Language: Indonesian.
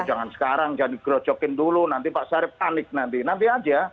jangan sekarang jangan dikrojokin dulu nanti pak syarif panik nanti nanti saja